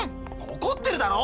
おこってるだろ！